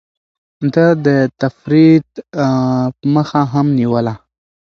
ده د تفريط مخه هم نيوله.